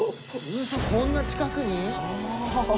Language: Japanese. うそこんな近くに？